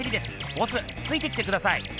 ボスついてきてください！